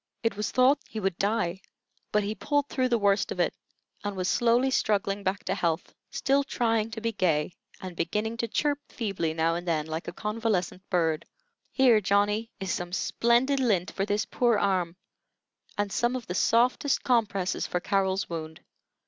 It was thought he would die; but he pulled through the worst of it, and was slowly struggling back to health, still trying to be gay, and beginning to chirp feebly now and then, like a convalescent bird. "Here, Johnny, is some splendid lint for this poor arm, and some of the softest compresses for Carrol's wound.